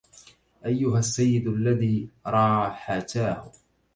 أيها السيد الذي راحتاه